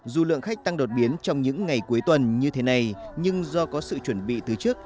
dù lượng khách tăng đột biến trong những ngày cuối tuần như thế này nhưng do có sự chuẩn bị từ trước